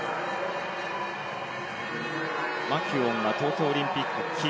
マキュオンが東京オリンピック金。